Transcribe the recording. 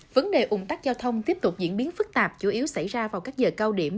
vấn đề ủng tắc giao thông tiếp tục diễn biến phức tạp chủ yếu xảy ra vào các giờ cao điểm